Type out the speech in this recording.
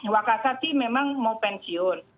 wakasa sih memang mau pensiun